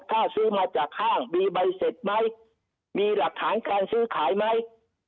ถ้าซื้อมาจากห้างมีใบเสร็จไหมมีหลักฐานการซื้อขายไหม